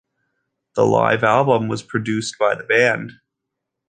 The live album was produced by the band.